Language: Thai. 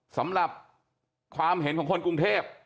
สำหรับความเห็นของคนกรุงเทพ